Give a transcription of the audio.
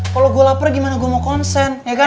kalo gue lapar gimana gue mau konsen ya kan